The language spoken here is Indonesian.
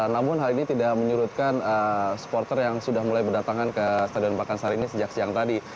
namun hal ini tidak menyurutkan supporter yang sudah mulai berdatangan ke stadion pakansari ini sejak siang tadi